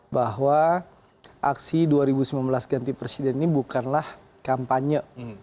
bahwa aksi dua ribu sembilan belas ganti presiden ini bukanlah kampanye